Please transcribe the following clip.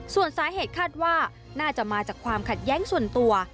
ส่วนสาเหตุคาดว่าน่าจะมาจากความขัดแย้งส่วนตัว